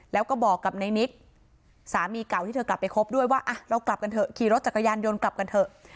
แล้วก็บอกกับในนิกสามีเก่าที่เธอกลับไปคบด้วยว่าเรากลับกันเถอะขี่รถจักรยานยนต์กลับกันเถอะ